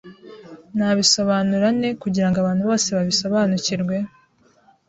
Nabisobanura nte kugirango abantu bose babisobanukirwe?